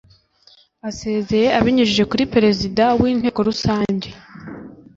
asezeye abinyujije kuri perezida w inteko rusange